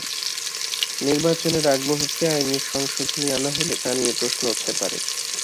নির্বাচনের আগ মুহূর্তে আইনের সংশোধনী আনা হলে তা নিয়ে প্রশ্ন উঠতে পারে।